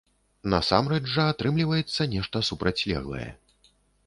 Насамрэч жа атрымліваецца нешта супрацьлеглае.